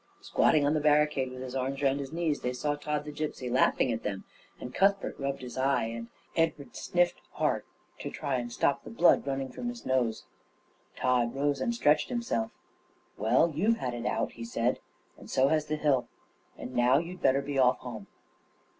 Squatting on the barricade, with his arms round his knees, they saw Tod the Gipsy laughing at them; and Cuthbert rubbed his eye, and Edward sniffed hard to try and stop the blood running from his nose. Tod rose and stretched himself. "Well, you've had it out," he said, "and so has the hill, and now you'd better be off home."